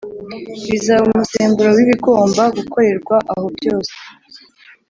bizaba umusemburo w ibigomba gukorerwa aho byose